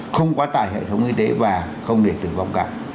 không quá tài hệ thống y tế và không để tử vong cao